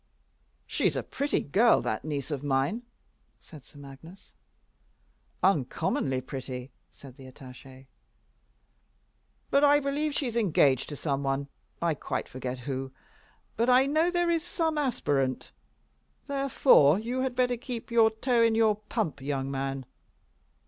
"She's a pretty girl, that niece of mine," said Sir Magnus. "Uncommonly pretty," said the attaché. "But I believe she is engaged to some one. I quite forget who; but I know there is some aspirant. Therefore you had better keep your toe in your pump, young man."